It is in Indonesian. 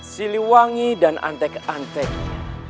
siliwangi dan antek anteknya